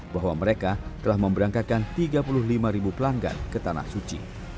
bahwa mereka telah memberangkatkan tiga puluh lima ribu pelanggan ke tanah suci